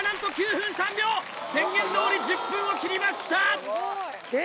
宣言どおり１０分を切りました！